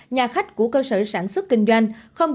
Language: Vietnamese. nhà khách của cơ sở sản xuất kinh doanh